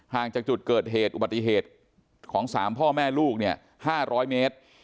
จากจุดเกิดเหตุอุบัติเหตุของ๓พ่อแม่ลูกเนี่ย๕๐๐เมตร